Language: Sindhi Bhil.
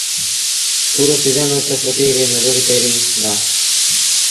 پورو سيٚزن اُت ڦُٽيٚ ريٚ مزوريٚ ڪريݩ دآ.